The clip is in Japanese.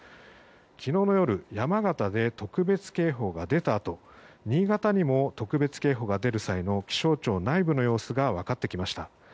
昨日の夜山形で特別警報が出たあと新潟にも特別警報が出る際の気象庁内部の様子が分かってきました。